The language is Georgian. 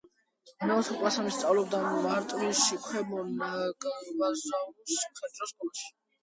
მეოთხე კლასამდე სწავლობდა მარტვილში, ქვემო ნაგვაზავოს საჯარო სკოლაში.